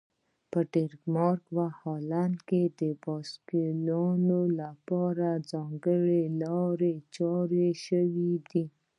په ډنمارک او هالند کې د بایسکلونو لپاره ځانګړي لارې چارې شوي دي.